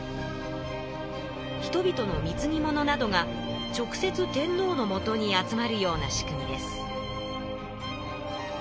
人びとのみつぎ物などが直接天皇のもとに集まるような仕組みです。